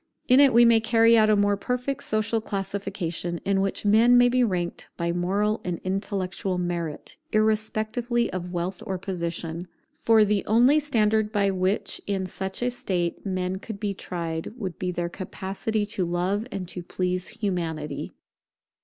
In it we may carry out a more perfect social classification, in which men may be ranked by moral and intellectual merit, irrespectively of wealth or position. For the only standard by which in such a state men could be tried would be their capacity to love and to please Humanity.